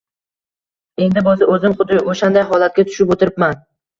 Endi boʻlsa oʻzim xuddi oʻshanday holatga tushib oʻtiribman.